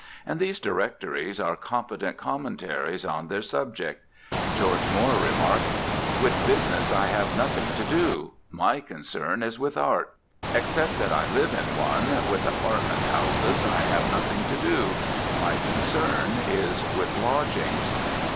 And these directories are competent commentaries on their subject. George Moore remarked, "With business I have nothing to do my concern is with art." Except that I live in one, with apartment houses I have nothing to do my concern is with lodgings.